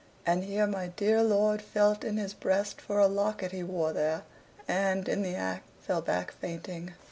And here my dear lord felt in his breast for a locket he wore there, and, in the act, fell back fainting.